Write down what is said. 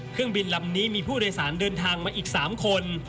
เครื่องบินลำนี้มีผู้โดยสารเดินทางมาอีก๓คน